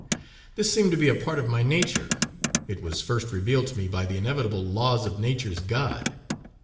This seemed to be a part of my nature; it was first revealed to me by the inevitable laws of nature's God.